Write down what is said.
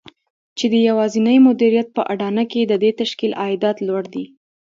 چې د يوازېني مديريت په اډانه کې د دې تشکيل عايدات لوړ دي.